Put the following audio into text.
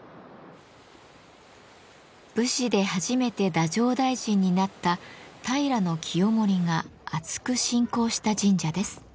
武士で初めて太政大臣になった平清盛があつく信仰した神社です。